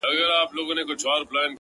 زه دغه ستا د يوازيتوب په معنا”